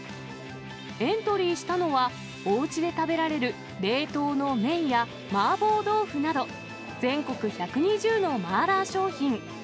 エントリーしたのは、おうちで食べられる冷凍の麺や、麻婆豆腐など、全国１２０の麻辣商品。